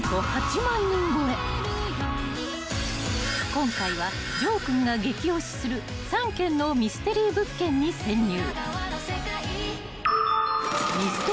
［今回はＪＯ君が激推しする３軒のミステリー物件に潜入］